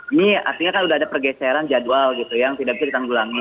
ini artinya kan sudah ada pergeseran jadwal gitu yang tidak bisa ditanggulangi